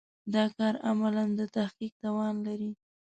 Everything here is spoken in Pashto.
دا کار عملاً د تحقق توان لري.